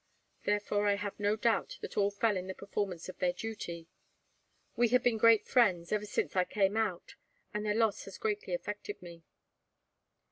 Therefore, I have no doubt that all fell in the performance of their duty. We had been great friends, ever since I came out, and their loss has greatly affected me."